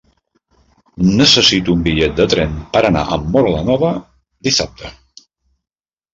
Necessito un bitllet de tren per anar a Móra la Nova dissabte.